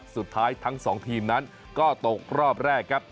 สุดท้ายทั้ง๒ทีมนั้นก็ตกรอบแรก